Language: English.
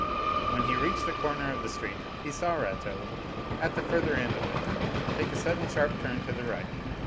When he reached the corner of the street he saw Rateau, at the further end of it, take a sudden sharp turn to the right.